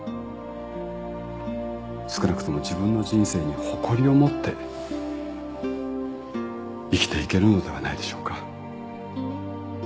少なくとも自分の人生に誇りを持って生きていけるのではないでしょうか。